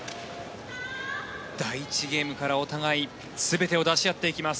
第１ゲームからお互い全てを出し合っていきます。